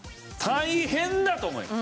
大変だと思います。